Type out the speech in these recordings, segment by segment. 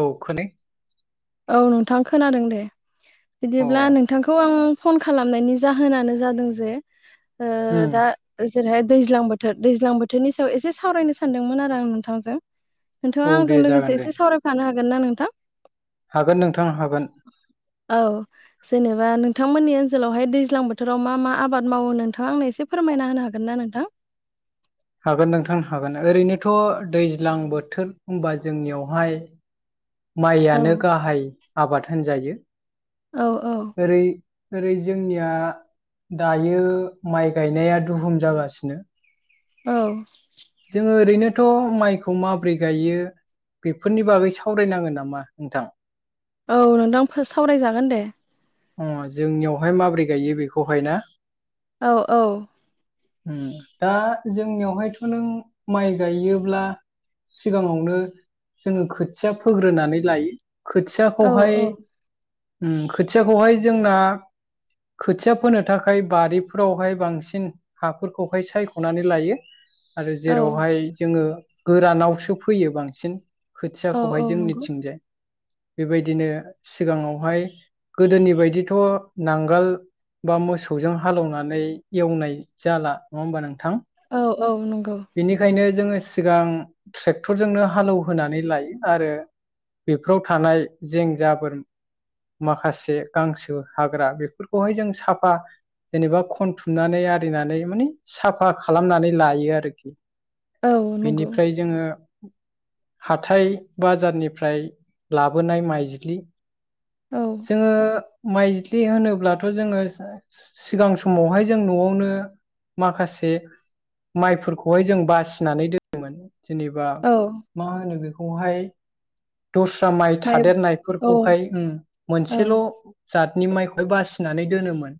औ खोनादों औ नोंथां खोनादों दे अ बिदिब्ला नोंथांखौ आं फन खालामनायनि जाहोनानो जादों जे ओ उम दा जेरैहाय दैज्लां बोथोर दैज्लां बोथोरनि सायाव एसे सावरायनो सानदोंमोन आरो आं नोंथांजों नोंथाङा औ दे आंजों जागोन लोगोसे दे एसे सावरायफानो हागोन ना नोंथां? हागोन नोंथां हागोन। औ जेनेबा नोंथांमोननि ओनसोलावहाय दैज्लां बोथोराव मा मा आबाद मावो नोंथाङा आंनो एसे फोरमायना होनो हागोन ना नोंथां? हागोन नोंथांनो हागोन। ओरैनोथ' दैज्लां बोथोर होनबा जोंनियावहाय [inaudible] औ माइआनो गाहाय आबाद होनजायो। औ औ ओरै ओरै जोंनिया दायो माइ गायनाया दुहुम जागासिनो। औ जोङो ओरैनो थ' माइखौ माब्रै गायो बेफोरनि बागै सावरायनाङो नामा नोंथां? औ नोंथां सावरायजागोन दे। अ जोंनियावहाय माबोरै गायो बेखौहाय ना? औ औ उम दा जोंनियावहायथ' नों माइ गायोब्ला सिगाङावनो जोङो खोथिया फोग्रोनानै लायो। औ खोथियाखौहाय औ खोथियाखौहाय जोंना खोथिया फोनो थाखाय बारिफोरावहाय बांसिन हाफोरखौहाय सायख'नानै लायो। आरो औ जेरावहाय जोङो गोरानावसो फैयो बांसिन। औ औ खोथियाखौहाय जों नंगौ मिथिंजाय बेबायदिनो सिगाङावहाय गोदोनि बायदिथ' नांगाल बा मोसौजों हालौवनानै एवनाय जाला नङा होमबा नोंथां? औ औ नंगौ। बेनिखायनो जोङो सिगां ट्रेक्टरजोंनो हालौवहोनानै लायो आरो बेफोराव थानाय जें जाबोर माखासे गांसो हाग्रा बेफोरखौहाय जों साफा जेनेबा खनथुमनानै आरिनानै माने साफा खालामनानै लायो आरो। औ नंगौ बेनिफ्राय जोङो हाथाइ बाजारनिफ्राय लाबोनाय माइज्लि औ जोङो माइज्लि होनोब्लाथ' जोङो सिगां समावहाय जों न'आवनो माखासे माइफोरखौ खौहाय जों बासिनानै दोनोमोन, जेनेबा औ मा होनो बेखौहाय दस्रा माइ औ थादेरनायफोरखौहाय उम औ मोनसेल' जाद नि मासिखौ बासिनानै दोनोमोन।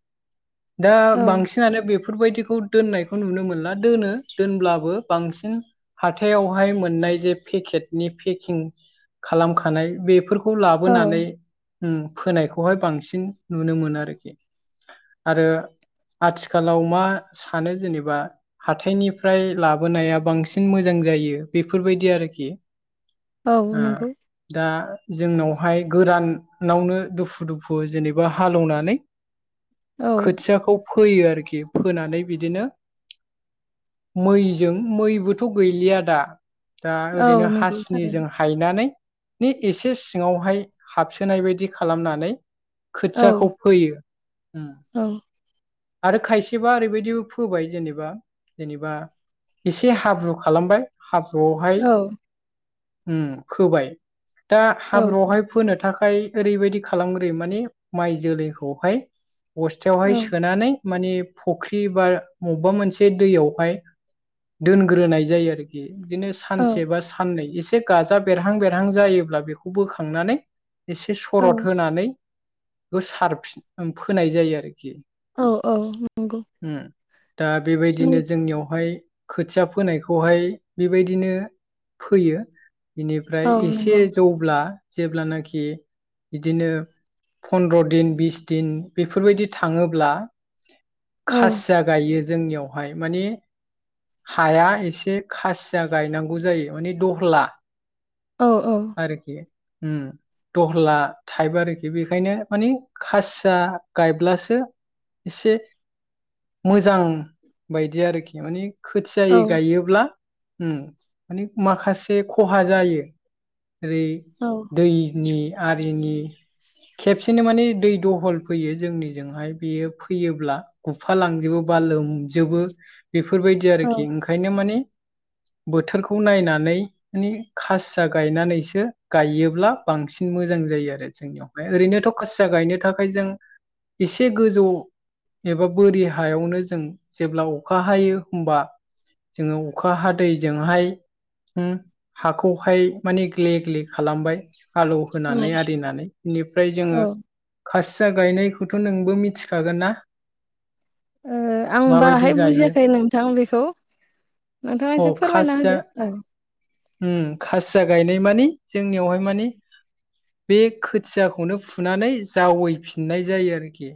दा औ बांसिनानो बेफो बेफोरबायदिखौ दोननायखौ नुनो मोनला। दोनो दोनब्लाबो बांसिन हाथायावहाय मोननाय जे पेकेटनि पेकिं खालाम खानाय बेफोरखौ औ लाबोनानै उम फोनायखौहाय बांसिन नुनो मोनो आरोखि। आरो आथिखालाव मा सानो जेनेबा हाथायनि फ्राय लाबोनाया बांसिन मोजां जायो बेफोरबायदि आरोखि। औ आ नंगौ दा जोंनावहाय गोरानावनो दुफु दुफु जेनेबा हालेवनानै औ खोथियाखौ फोयो आरोखि फोनानै बिदिनो मैजों मैबोथ' गैलिया दा। दा औ ओरैनो नंगौ हासिनिजों थारैनो हायनानै नि एसे सिङावहाय हाबसोनाय बायदि खालामनानै औ खोथियाखौ फोयो। उम। औ आरो खायसेबा ओरैबायदिबो फोबाय जेनेबा जेनेबा एसे हाब्रु खालामबाय हाब्रुआवहाय औ उम, खोबाय दा औ हाब्रुआवहाय फोनो थाखा खाय ओरैबायदि खालामग्रो माने माइ जोलैखौहाय बस्थायावहाय औ सोनानै माने फख्रि बा अबबेबा मोनसे दैयाव हाय दोनग्रोनाय जायो आरोखि। इदिनो औ सानसे बा साननै एसे से गाजा बेरहां बेरहां जायोब्ला बेखौ बोखांनानै एसे औ सरद होनानै गोसारफिन फोनाय जायो आरोखि। औ औ नंगौ। दा बेबायदिनो यावहाय खोथिया फोनायखौहाय बेबायदिनो फैयो। बेनिफ्राय औ एसे नंगौ जौब्ला जेब्लानाखि बिदिनो फन्द्र' दिन बिस दिन बेफोरबायदि थाङोब्ला औ खासिया गायो जोंनियावहाय मानि हाया एसे खासिया गायनांगौ जायो माने दह'ला औ औ आरोखि। उम, दह'ला थाइफ आरोखि बेखायनो माने खासिया गायब्लासो एसे मोजां बायदि आरोखि माने खोथियायै औ गायोब्ला उम, माने माखासे खहा जायो। ओरै औ दैनि आरिनि खेबसेनो माने दै दहल फैयो जोंनिजोंहाय बेयो फैयोब्ला गुफा लांजोबो बा लोमजोबो बेफोरबायदि आरोखि। औ ओंखायनो माने बोथोरखौ नायनानै माने खासिया गायनानैसो गायोब्ला बांसिन मोजां सिन आरो जोंनियावहाय। ओरैनोथ' खासिया गायनो थाखाय जों एसे गोजौ एबा बोरि हायावनो जों जेब्ला अखा हायो हमबा जोङो अखा हादैजोंहाय होम हाखौहाय माने ग्ले ग्ले खालामबाय औ हालौहोनानै आरिनानै। निफ्राय जोङो ओ खासि या गायनायखौथ' नोंबो मिथिखागोन ना? ओ आं माबायदि बाराहाय गायो बुजियाखै नोंथां बेखौ। नोंथाङा अ एसे फोरमायना खासिया होदो औ उम खासिया गायनाय दि मानि जोंनियावहाय मानि बे खोथियाखौनो फुनानै जावैफिननाय जायो आरोखि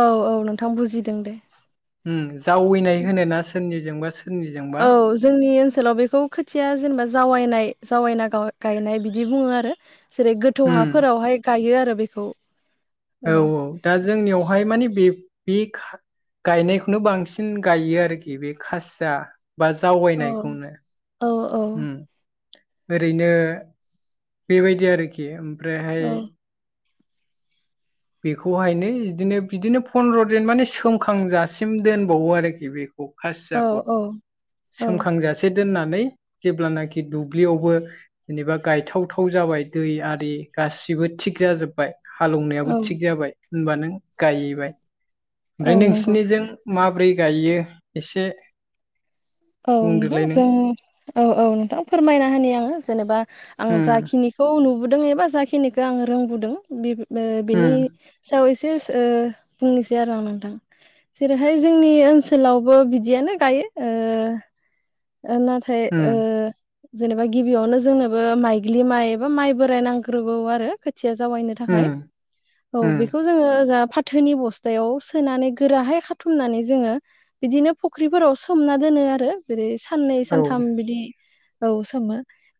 औ औ नोंथां बुजि उ जावैनाय होना सोरनिजोंबा सो औ जोंनि ओनसोलाव बेखौ खोथिया जेनेबा जावायनाय जावना ओ गायनाय बिदि बुङो आरो जेरै गोथौ उम हाफोरावहाय गायो आरो बेखौ औ औ दा जोंनियावहाय मानि बे बे गायनायखौनो बांसिन गायो आरोखि बे खासिया बा औ जावगायनायखौनो औ औ ओरैनो बेबायदि आरोखि ओमफ्रायहाय औ बेखौहायनो बिदिनो बिदिनो फन्द्र'जन माने सोमखांजासिम दोनबावो आरोखि बे खौ औ खासियाखौ औ सोमखांजासे दोननानै जेब्लानाखि दुब्लियावबो जेनेबा गायथावथाव जाबाय दै आरि गासिबो थिग जाजोब्बाय हालौनायाबो औ थिग जाबाय होनबा नों गायहैबाय औ ओमफ्राय नंगौ नोंसिनिजों मा माब्रै गायो एसे औ नोंथां बुंदोलाय नों जों औ औ नोंथां फोरमायना होनि आङो जेनेबा आं उम जाखिनिखौ नुबोदों एबा जाखिनिखौ आं रोंबोदों बे ओ उम बिनि सायाव एसे ओ बुंनोसै आरो आं नोंथां जेरैहाय जोंनि ओनसोलावबो बिदियानो गायो ओ ओ नाथाय उम ओ जेनेबा गिबियावनो जोंनोबो माइग्लि माइ एबा माइ बोराय नांग्रोगौ आरो खोथिया जावायनो थाखाय उम औ उम बेखौ जोङो जा फाथोनि बस्थायाव सोनानै गोराहाय खाथुमनानै जोङो बिदिनो फुख्रिफोराव सोमना दोनो आ रो जेरै साननै औ सानथाम बिदि औ सोमो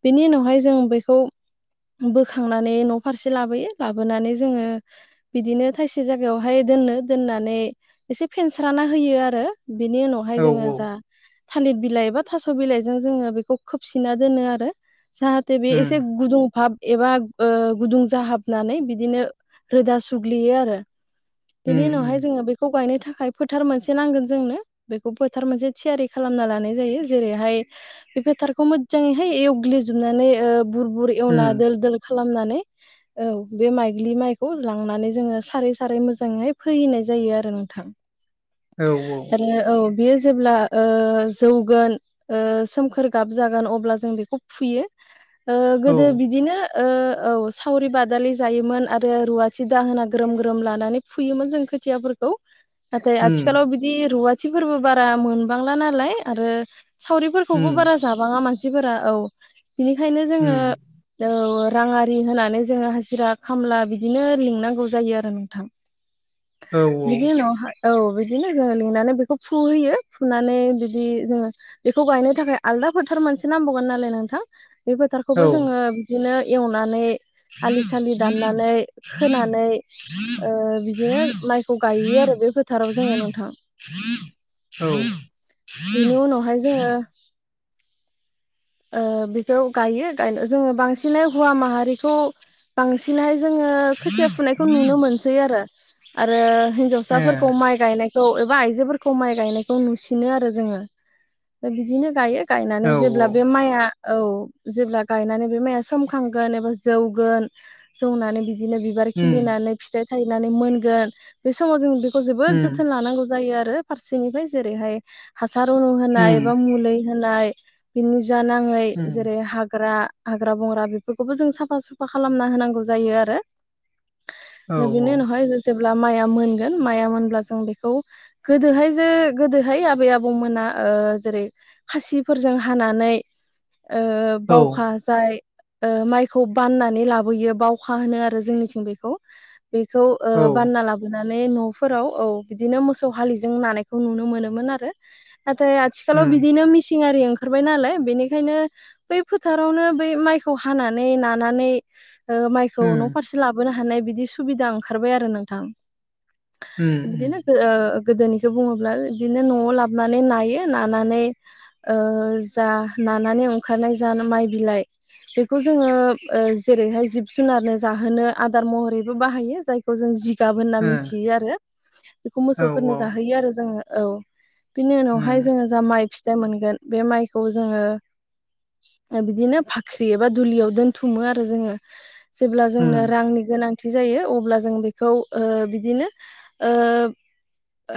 बेनि उनावहाय जों बैखौ बोखांनानै न' फारसे लाबोयो लाबोनानै जोङो बिदिनो थायसे जायगायावहाय दोननो दोननानै एसे फेनस्राना होयो आरो बिनि उनावहाय औ जोङो जा थालिर बिलाइ ए बा थास' बिलाइजों जोङो बेखौ खोबसिना दोनो आरो जाहाथे बे उम एसे गुदुं भाब एबा ओ गुदुं जाहाबनानै बिदिनो रोदा सुग्लियो आरो बेनि उम उनावहाय उम जोङो बेखौ गायनो थाखाय फोथार मोनसे नांगोन जोंनो बेखौ फोथार मोनसे थियारि खालामना लानाय जायो जेरैहाय बे फोथारखौ मोजाङैहाय एवग्लिजोबनानै ओ बुर बुर एवना उम दोल दोल खालामना नै औ बे माइग्लि माइखौ लांनानै जोङो सारै सारै मोजाङै फैहैनाय जायो आरो ओ नोंथां औ औ आरो औ बेयो जेब्ला ओ जौगोन ओ सोमखोर गाब जागोन अब्ला जों बेखौ फुयो। ओ औ गोदो बिदिनो ओ औ सावरि बादालि जायोमोन आरो रुवाथि दाहोना ग्रोम ग्रोम लानानै फुयोमोन जों खोथिया फोरखौ नाथाय उम आथिखालाव बिदि रुवाथिफोरबो बारा मोनबांला नालाय आरो सावरिफोरखौबो उम बारा जाबाङा मानसिफोरा औ बिनिखायनो जोङो उम औ राङारि होनानै जोङो हाजिरा खामला बिदिनो लिंनांगौ जायो आरो नोंथां औ बिनि उनावहाय औ बिदिनो जोंङो लिंनानै बेखौ फुहोयो। फुनानै बिदि जोङो बेखौ गायनो थाखाय आलदा फोथार मोनसे नांबावगोन नालाय नोंथां। बे औ फोथारखौबो जोङो बिदिनो एवनानै आलि सालि दाननानै खोनानै ओ बिदिनो माइखौ गायो। आरो बे फोथाराव जोङो नोंथां औ बेनि उनावहाय जोङो ओ बेफोर गायो गायनो जोङो बांसिनै हौवा माहारिखौ बांसिनै जोङो खोथिया फुनायखौ नुनो मोनसै आरो ए हिनजावसाफोरखौ माइ गायनाय औ एबा आइजोफोरखौ माइ गायनायखौ नुसिनो आरो जोङो दा बिदिनो गायो। औ गायनानै जेब्ला औ माइया औ जेब्ला गायनानै बे माइआ सखांगोन एबा जौगोन जौनानै बि बिदिनो बिबार उम खिलिनानै फिथाइ थायनानै मोनगोन बे समाव जों बे खौ जोबोद उम जोथोन लानांगौ जायो आरो फारसेनिफ्राय जेरैहाय हासार रुनु होनाय उम एबा मुलै होनाय बिनि जा नाङै उम जेरै हाग्रा हाग्रा बंग्रा बेफोरखौबो जों साफा सुफा खालामना होनांगौ जायो आरो। औ बिनि उनावहाय जों जेब्ला ब्ला माइ आ मोनगोन माइया मोनब्ला जों बेखौ गोदोहाय जे गोदोहाय आबै आबौमोना ओ जेरै खासिफोरजों हानानै ओ औ बावखा जाय ओ माइखौ बाननानै लाबोयो बावखा होनो आरो जोंनिथिं बेखौ। बेखौ ओ बानना लाबोनानै नानै न'फोराव औ बिदिनो मोसौ हालिजों नानायखौ नुनो मोनोमोन आरो। नाथाय आथिखालाव उम बिदिनो मिसिं आरि ओंखा खारबाय नालाय बेनिखायनो बै फोथारावनो बै माइखौ हानानै नानानै ओ माइखौ उम न' फारसे लाबोनो हानाय बिदि सुबिदा ओंखारबाय आरो नोंथां। बिदिनो उम ओ गोदोनिखौ बुङोब्ला बिदिनो न'आव लाबोनानै नायो नानानै ओ जा नानानै अंखारनाय जा माय बिलाय बेखौ जोङो ओ जेरैहाय जिब जु जुनारनो जाहोनो आदार महरैबो बाहायो जायखौ जों जि गाब होनना उम मिथियो आरो बेखौ मोसौफोरनो ओ औ जाहोयो आरो जोङो औ। बिनि उम उनावहाय जोङो जा माइ फिथाइ मोनगोन बे माइखौ जोङो बिदिनो भाख्रि एबा दुलियाव दोनथुमो आरो जोङो। जेब्ला जोंनो उम रांनि गोनां थि जायो अब्ला जों बेखौ ओ बिदिनो ओ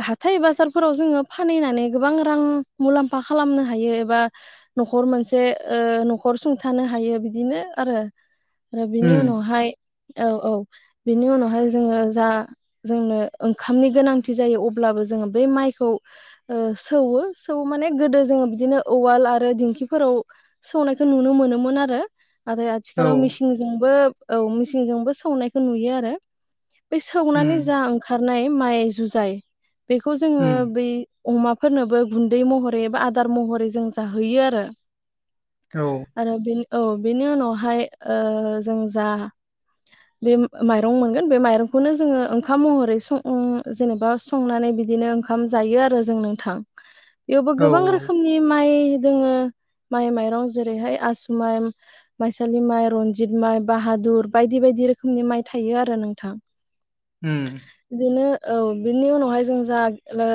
हाथाय बाजारफोराव जोङो फानहैनानै गोबां रां मुलाम्फा खालामनो हायो एबा न'खर मोनसे ओ न'खर सुंथानो हायो बिदिनो आरो। आरो बिनि उम उनावहाय औ औ बेनि उनावहाय जोङो जा जोंनो ओंखामनि गोनांथि जायो अब्लाबो जोङो बे माइखौ ओ सौवो सौ माने गोदो जों बिदिनो उवाल आरो दिंखिफोराव सौनायखौ नुनो मोनोमोन आरो। नाथाय औ आथिखालाव मिसिंजोंबो औ मिसिंजोंबो सौनायखौ नुयो आरो। बै सौनानै उम जा ओंखारनाय माइ जुजाय बेखौ जोङो उम बै अमाफोरनोबो गुन्दै महरै एबा आदार महरै जों जाहैयो आरो। औ आरो बे औ बेनि उनावहाय ओ जों जा बे माइरं मोनगोन बे माइरंखौनो जोङो ओंखाम महरै स जेनेबा संनानै बिदिनो ओंखाम जायो आरो जों नोंथां बेवबो औ गोबां रोखोमनि माइ दोङो माइ माइरं जेरैहाय आसु माइ माइसालि माइ रनजित माइ बाहादुर बायदि बायदि दि रोखोमनि माइ थायो आरो नोंथां उम बिदिनो औ बिनि उनावहाय जों जा ओ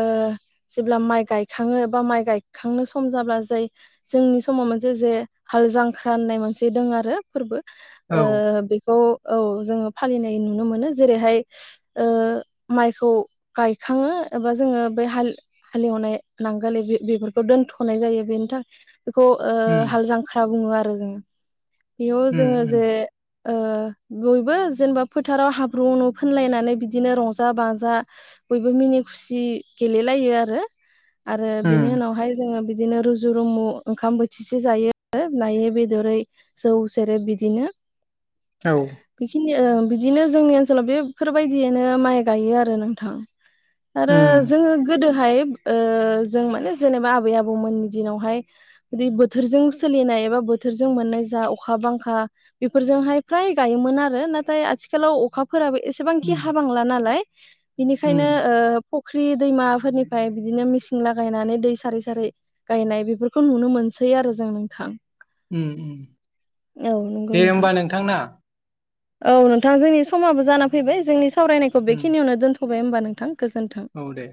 जेब्ला माइ गायखाङो बा माइ गाय खांनो सम जाब्ला जाय जोंनि समाव मोनसे जे हाल जांख्रा होननाय मोनसे दों आरो फोरबो औ ओ बेखौ औ जोङो फालिनाय नुनो मोनो जेरैहाय ओ माइखौ गायखाङो बा जोङो बे हाल हालेवनाय नांगोल बे-बेफोरखौ खौ दोनथ'नाय जायो बेनि थाखाय बेखौ ओ उम हाल जांख्रा बुङो आरो जोङो। बेयाव जोङो उम उम जे ओ बयबो जेनेबा फोथाराव हाब्रु उनु फोनलायनानै बिदिनो रंजा बाजा बयबो मिनि खुसि गेलेलायो आरो आरो बिनि उम उनाव जोङो बिदिनो रुजु रुमु ओंखाम बोथिसे जायो आरो नायै बेदरै जौ सेरेब बिदि दिनो औ बिदिनो ओ बिदिनो जोंनि ओनसोलाव बेफोरबायदियैनो माइ गायो आरो नोंथां। आरो उम जोङो गोदोहाय ओ जों माने जेनेबा आबै आबौमोननि दिनावहाय बिदि बोथोरजों सोलिनाय एबा बोथोरजों मोननाय जा अखा बांखा बेफोरजोंहाय प्राय गायोमोन आरो नाथाय आथिखालाव अखा फोराबो एसेबांखि उम हाबांला नालाय। बिनिखायनो उम ओ फुख्रि दैमाफोरनिफ्राय बिदिनो मिसिं लागायनानै दै सारै सारै गायनाय बेफोरखौ नुनो मोनसै आरो जों नोंथां। उम उम औ दे नंगौ नोंथां होमबा नोंथांना। औ नोंथां जोंनि समाबो जाना फैबाय जोंनि सावरायनायखौ उम बेखिनियावनो दोनथ'बाय होमबा नोंथां। गोजोन्थों। औ दे